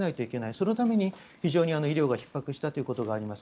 そのために非常に医療がひっ迫したということがあります。